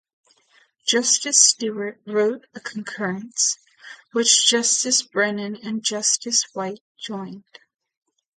Justice Stewart wrote a concurrence, which Justice Brennan and Justice White joined.